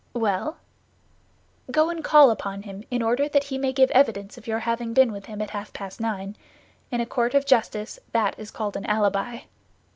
"Well?" "Go and call upon him, in order that he may give evidence of your having been with him at half past nine. In a court of justice that is called an alibi."